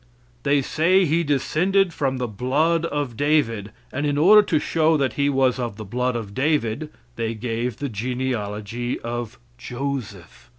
They say He descended from the blood of David, and in order to show that He was of the blood of David they gave the genealogy of Joseph.